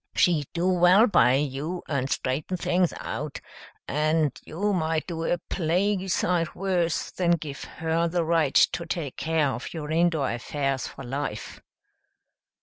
She'd do well by you and straighten things out, and you might do a plaguey sight worse than give her the right to take care of your indoor affairs for life."